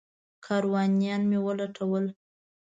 کاروانیان مې ولټول.